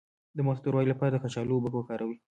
د مخ د توروالي لپاره د کچالو اوبه وکاروئ